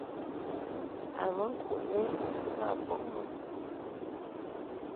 A bə ŋkuʼni mbə a bɔŋ mɨ.